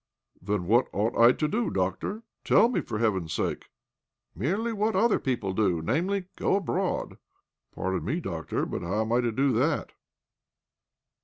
" Then what ought I to do, doctor ? Tell me, for Heaven's sake !" 5 66 OBLOMOV " Merely what other people do— namely, go abroad." " Pardon me, doctor, but how am I to do that?"